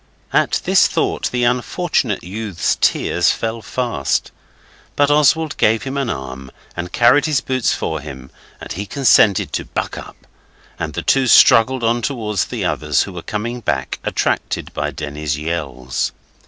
At this thought the unfortunate youth's tears fell fast. But Oswald gave him an arm, and carried his boots for him, and he consented to buck up, and the two struggled on towards the others, who were coming back, attracted by Denny's yells.